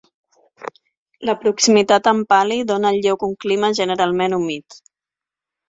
La proximitat amb Pali dóna al lloc un clima generalment humit.